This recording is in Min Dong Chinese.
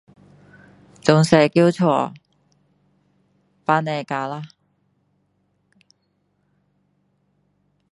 自小在家父母教咯